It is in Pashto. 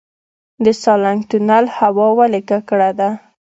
د سالنګ تونل هوا ولې ککړه ده؟